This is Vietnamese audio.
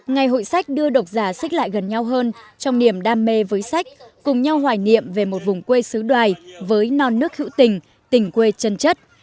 ngày hội sách đưa độc giả xích lại gần nhau hơn trong niềm đam mê với sách cùng nhau hoài niệm về một vùng quê xứ đoàn với non nước hữu tình tình quê chân chất